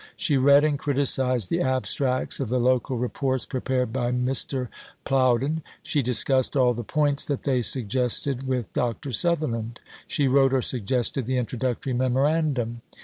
She read and criticised the abstracts of the local reports prepared by Mr. Plowden; she discussed all the points that they suggested with Dr. Sutherland; she wrote, or suggested, the introductory memorandum.